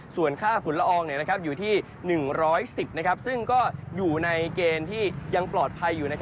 ส่วนค่าฝุ่นละอองอยู่ที่๑๑๐ซึ่งก็อยู่ในเกณฑ์ที่ยังปลอดภัยอยู่